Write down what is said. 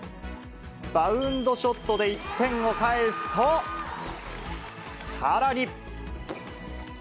バウンドショットで１点を返すと、さらに。